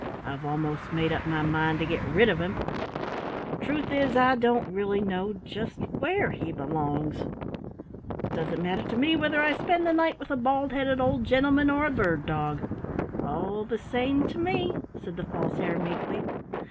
"I've almost made up my mind to get rid of him, but the truth is I don't really know just where he belongs." "Doesn't matter to me whether I spend the night with a bald headed old gentleman or a bird dog all the same to me," said the False Hare meekly.